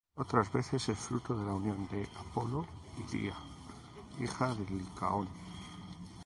Otras veces es fruto de la unión de Apolo y Día, hija de Licaón.